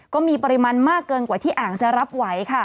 ก็มีปริมาณมากเกินกว่าที่อ่างจะรับไหวค่ะ